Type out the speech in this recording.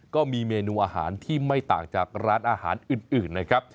ก็มีเมนูอาหารที่ไม่ต่างจากร้านอาหารอื่นนะครับ